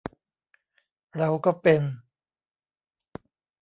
เราก็ 'เป็น'